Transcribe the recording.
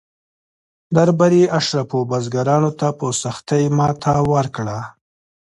درباري اشرافو بزګرانو ته په سختۍ ماته ورکړه.